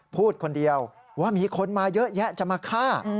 พูดคนเดียวว่ามีคนมาเยอะแยะจะมาฆ่า